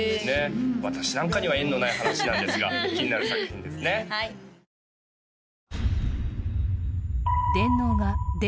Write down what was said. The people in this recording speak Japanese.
私なんかには縁のない話なんですが気になる作品ですねはいファミチキジャンボ！